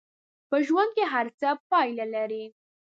په ژوند کې هره هڅه پایله لري.